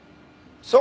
そう！